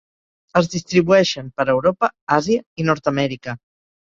Es distribueixen per Europa, Àsia i Nord-amèrica.